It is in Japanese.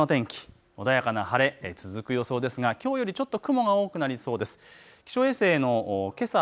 まずあすの天気、穏やかな晴れ続く予想ですがきょうよりちょっと雲が多くなりそうです。